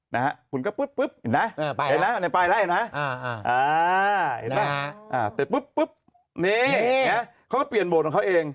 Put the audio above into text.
ห้ะครบกลับไปเนี้ยนะฮะแต่ปุ๊บเนี้ยเขาก็เปลี่ยนโหมดของเขาเอง